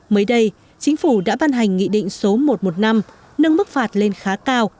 mới đây chính phủ đã ban hành nghị định số một trăm một mươi năm nâng mức phạt lên khá cao